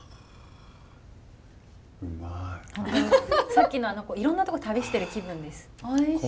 さっきのいろんなとこ旅してる気分です。